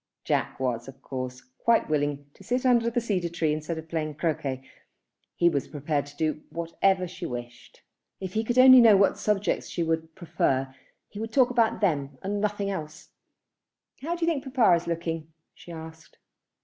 Jack was of course quite willing to sit under the cedar tree instead of playing croquet. He was prepared to do whatever she wished. If he could only know what subjects she would prefer, he would talk about them and nothing else. "How do you think papa is looking?" she asked.